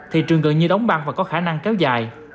thị trường gần như đóng băng và có khả năng kéo dài